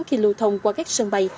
khi lưu thông qua các sân bay